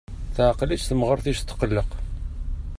Teɛqel-itt temɣart-is tetqelleq.